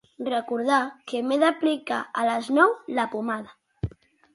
Recordar que m'he d'aplicar a les nou la pomada.